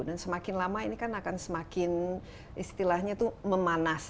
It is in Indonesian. dan semakin lama ini akan semakin memanas